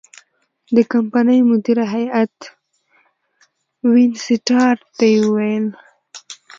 د کمپنۍ مدیره هیات وینسیټارټ ته وویل.